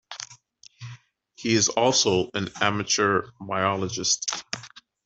He is also an amateur biologist.